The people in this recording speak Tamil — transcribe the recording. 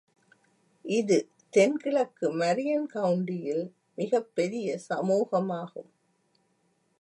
இது தென்கிழக்கு மரியன் கவுண்டியில் மிகப்பெரிய சமூகமாகும்.